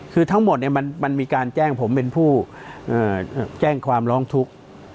คือทั้งหมดมันมีการแจ้งผมเป็นผู้แจ้งความร้องทุกข์